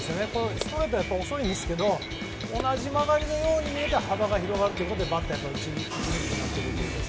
ストレートはやはり遅いですが同じ曲がりに見えて幅が広がるということでバッターは打ちにくくなると。